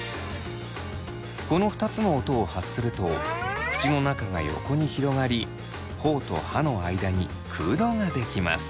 この２つの音を発すると口の中が横に広がりほおと歯の間に空洞が出来ます。